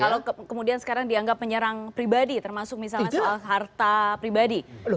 kalau kemudian sekarang dianggap menyerang pribadi termasuk misalnya soal harta pribadi